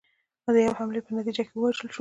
د یوې حملې په نتیجه کې ووژل شول